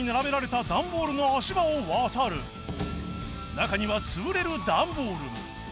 中には潰れる段ボールも